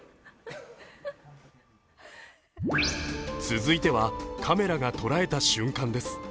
続いては、カメラが捉えた瞬間です。